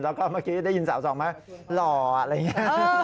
แล้วก็เมื่อกี้ได้ยินสาวสองไหมหล่ออะไรอย่างนี้